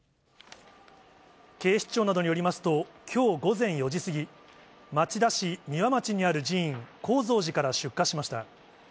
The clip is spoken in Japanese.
警視庁などによりますと、きょう午前４時過ぎ、町田市三輪町にある寺院、高蔵寺から出火しました。